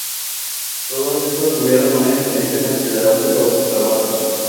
Todos estos tuvieron una influencia considerable sobre su trabajo.